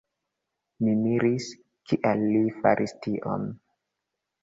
Mi miris, kial li faris tion.